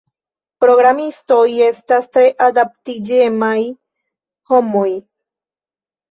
Programistoj estas tre adaptiĝemaj homoj.